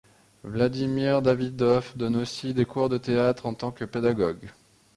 Vladimir Davydov donne aussi des cours de théâtre en tant que pédagogue.